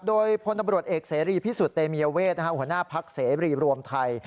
โดยพลตำรวจเอกเสรีพิสุทธิเตมียเวทหัวหน้าพักเสรีรวมไทย